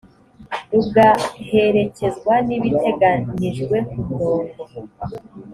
rugaherekezwa n ibiteganijwe ku murongo